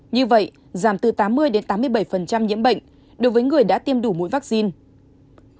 như vậy giảm từ tám mươi đến tám mươi bảy nhiễm bệnh đối với người đã tiêm đủ mũi vaccine